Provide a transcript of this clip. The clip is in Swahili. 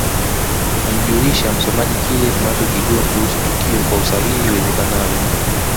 Kumjulisha msomaji kile tunachokijua kuhusu tukio kwa usahihi iwezekanavyo